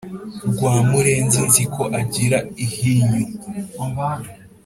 rwamurenzi nzi ko agira ihinyu,